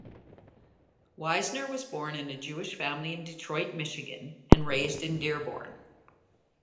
Wiesner was born in a Jewish family in Detroit, Michigan and raised in Dearborn.